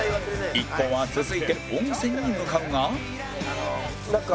一行は続いて温泉に向かうがなんか。